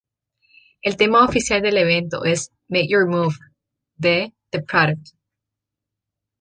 El tema oficial del evento es "Make your move" de "the product".